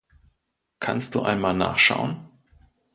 Kannst Du einmal nachschauen.